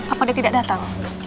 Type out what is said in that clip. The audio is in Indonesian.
apa dia tidak datang